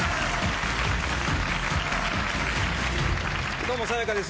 どうも、さや香です。